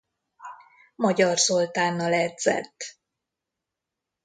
Magyar Zoltánnal edzett.